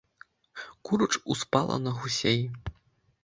Курч успала на гусей.